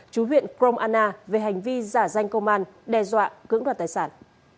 chú huyện krong anna về hành vi giả danh công an đe dọa cưỡng đoạt tài sản